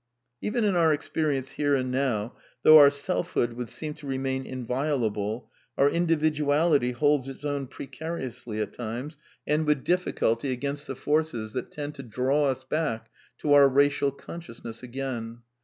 Even in our experience here and now, though our self hood would seem to remain inviolable, our individuality holds its own precariously, at times, and with difficulty CONCLUSIONS 335 against the forces that tend to draw ns back to our racial consciousness again.